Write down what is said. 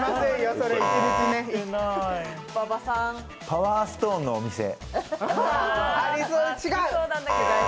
パワーストーンのお店。